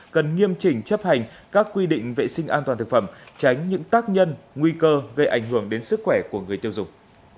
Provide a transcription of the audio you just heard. cần nghiêm chỉnh chấp hành các quy định vệ sinh an toàn thực phẩm tránh những tác nhân nguy cơ gây ảnh hưởng đến sức khỏe của người tiêu dùng